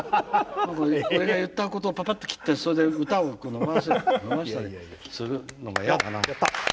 何か俺が言ったことをパパッと切ってそれで歌を延ばしたりするのは嫌だな。